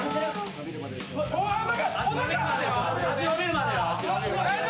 脚伸びるまでよ。